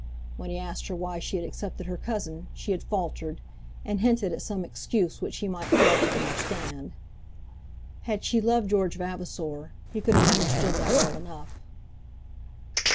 When he asked her why she had accepted her cousin, she had faltered, and hinted at some excuse which he might fail to understand. Had she loved George Vavasor, he could have understood that well enough.